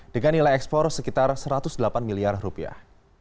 dengan nilai ekspor sekitar satu ratus delapan miliar rupiah